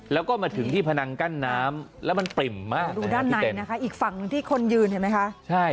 แล้วก็มาถึงที่พนังกั่นน้ำแล้วมันตริ่มมากด้านไหนนะครับอีกฝั่งที่คนยืนที่มั้ยคะ